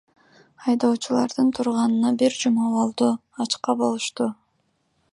Айдоочулардын турганына бир жума болду, ачка болушту.